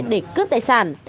để cướp tài sản